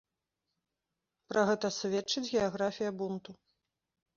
Пра гэта сведчыць геаграфія бунту.